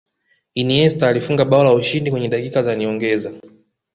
iniesta alifunga bao la ushindi kwenye dakika za nyongeza